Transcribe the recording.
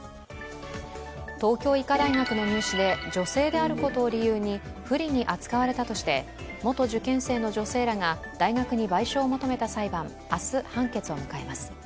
東京医科大学の入試で、女性であることを理由に不利に扱われたとして元受験生の女性らが大学に賠償を求めた裁判明日、判決を迎えます。